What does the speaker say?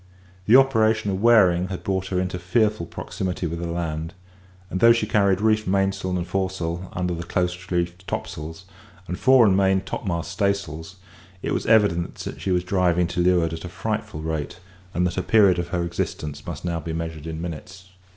The operation of wearing had brought her into fearful proximity with the land; and though she carried reefed mainsail and foresail under close reefed topsails, and fore and main topmast staysails, it was evident that she was driving to leeward at a frightful rate, and that the period of her existence must now be measured in minutes.